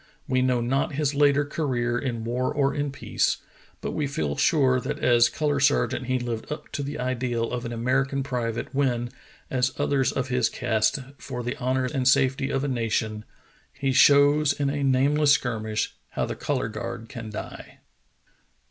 We know not his later career in war or in peace, but we feel sure that as color sergeant he lived up to the ideal of an American private when, as others of his caste, for the honor and safet}' of a nation — "He shows in a nameless skirmish How the color guard can die."